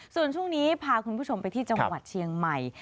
ส่วนช่วงนี้พาคุณผู้ชมไปที่จังหวัดเชียงใหม่